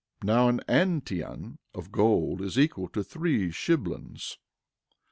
11:19 Now an antion of gold is equal to three shiblons.